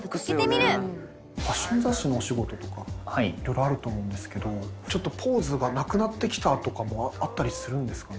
ファッション雑誌のお仕事とかいろいろあると思うんですけどちょっとポーズがなくなってきたとかもあったりするんですかね？